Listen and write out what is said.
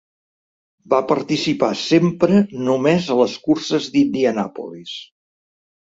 Va participar sempre només a les curses d'Indianapolis.